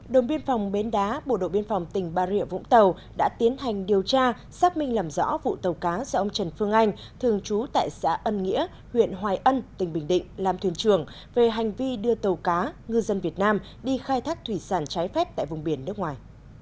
đồn biên phòng bến đá bộ đội biên phòng tỉnh bà rịa vũng tàu đã tiến hành điều tra xác minh làm rõ vụ tàu cá do ông trần phương anh thường trú tại xã ân nghĩa huyện hoài ân tỉnh bình định làm thuyền trường về hành vi đưa tàu cá ngư dân việt nam đi khai thác thủy sản trái phép tại vùng biển nước ngoài